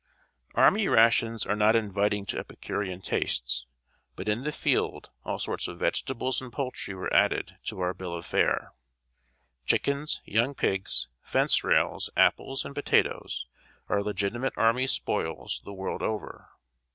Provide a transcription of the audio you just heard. ] Army rations are not inviting to epicurean tastes; but in the field all sorts of vegetables and poultry were added to our bill of fare. Chickens, young pigs, fence rails, apples, and potatoes, are legitimate army spoils the world over.